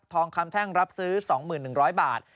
คำแท่งรับซื้อ๒๑๐๐บาท